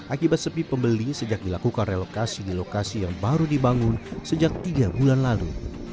akibat sepi pembeli sejak dilakukan relokasi di lokasi yang baru dibangun sejak tiga bulan lalu